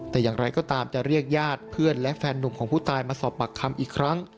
แต่อย่างไรก็ตามจะเรียกญาติเพื่อนและแฟนหนุ่มของผู้ตายมาสอบปากคำอีกครั้ง